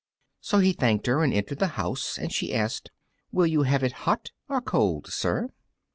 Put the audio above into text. So he thanked her and entered the house, and she asked, "Will you have it hot or cold, sir?"